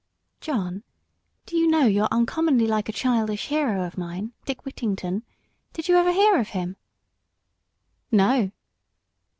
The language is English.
"John, do you know you're uncommonly like a childish hero of mine Dick Whittington? Did you ever hear of him?" "No."